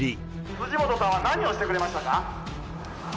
辻元さんは何をしてくれましたか？